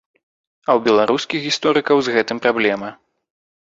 А ў беларускіх гісторыкаў з гэтым праблема.